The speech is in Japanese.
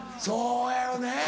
そうやよね。